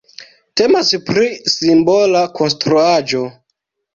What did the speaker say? Temas pri simbola konstruaĵo.